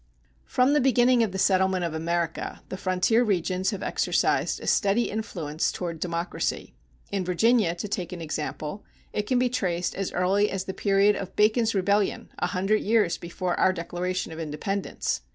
From the beginning of the settlement of America, the frontier regions have exercised a steady influence toward democracy. In Virginia, to take an example, it can be traced as early as the period of Bacon's Rebellion, a hundred years before our Declaration of Independence.